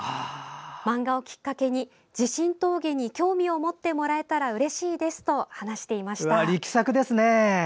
漫画をきっかけに、地震峠に興味を持ってもらえたらうれしいですと話していました。